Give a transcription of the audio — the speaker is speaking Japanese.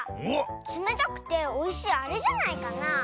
つめたくておいしいあれじゃないかな。